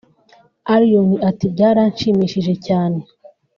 Allioni ati “ Byaranshimishije cyane